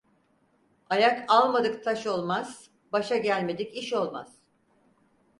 Ayak almadık taş olmaz, başa gelmedik iş olmaz.